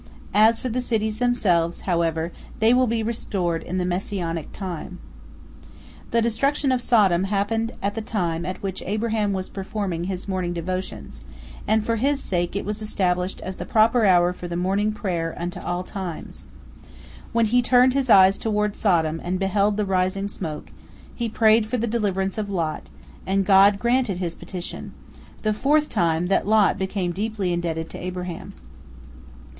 As for the cities themselves, however, they will be restored in the Messianic time. The destruction of Sodom happened at the time at which Abraham was performing his morning devotions, and for his sake it was established as the proper hour for the morning prayer unto all times. When he turned his eyes toward Sodom and beheld the rising smoke, he prayed for the deliverance of Lot, and God granted his petition—the fourth time that Lot became deeply indebted to Abraham.